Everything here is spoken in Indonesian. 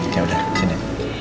ya udah sini